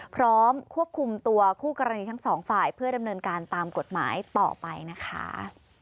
พร้อมควบคุมตัวคู่กรณีทั้งสองฝ่ายเพื่อดำเนินการตามกฎหมายต่อไปนะคะ